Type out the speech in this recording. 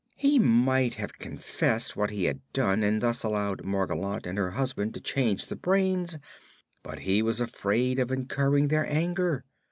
He might have confessed what he had done and thus allowed Margolotte and her husband to change the brains; but he was afraid of incurring their anger.